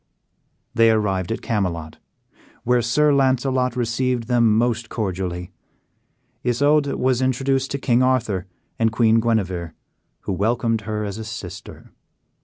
They arrived at Camelot, where Sir Launcelot received them most cordially. Isoude was introduced to King Arthur and Queen Guenever, who welcomed her as a sister.